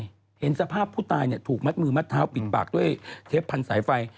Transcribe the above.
มันเห็นสภาพผู้ตายถูกหมัดมือหมัดเท้าปิดปากด้วยเทปพันธุ์สายไฟ